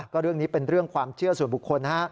ก็เรื่องนี้เป็นเรื่องความเชื่อส่วนบุคคลนะฮะ